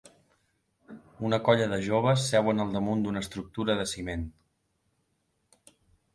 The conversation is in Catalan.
Una colla de joves seuen al damunt d'una estructura de ciment.